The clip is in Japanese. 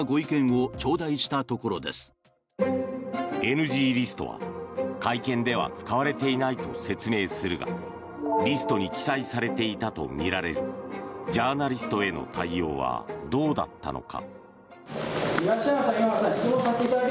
ＮＧリストは会見では使われていないと説明するがリストに記載されていたとみられるジャーナリストへの対応はどうだったのか。